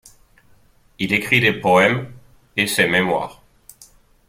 Il écrit des poèmes, et ses mémoires.